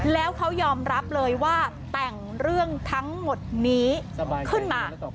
แล้วเขายอมรับเลยว่าแต่งเรื่องทั้งหมดนี้ขึ้นมา